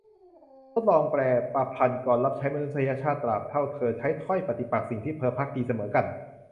ทดลองแปล :"ประพันธกรรับใช้มนุษยชาติ ตราบเท่าเธอใช้ถ้อยปฏิปักษ์สิ่งที่เธอภักดี เสมอกัน"